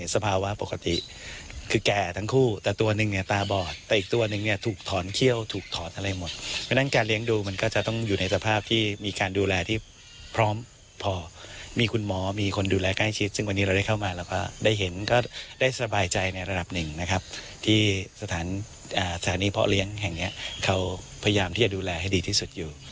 สถานีเพราะเลี้ยงแห่งเนี้ยเขาพยายามที่จะดูแลให้ดีที่สุดอยู่